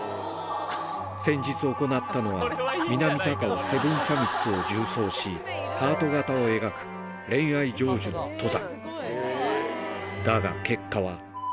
先日行ったのは、南高尾セブンサミッツを縦走し、ハート形を描く、恋愛成就の登山。